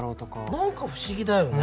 何か不思議だよね。